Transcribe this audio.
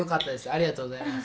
ありがとうございます